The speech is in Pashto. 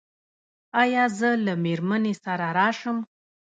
ایا زه له میرمنې سره راشم؟